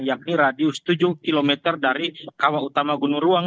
yakni radius tujuh km dari kawah utama gunung ruang